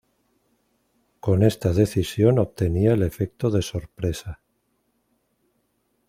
Con esta decisión obtenía el efecto de sorpresa.